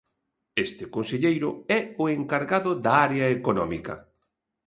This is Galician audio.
Este conselleiro é o encargado da área económica.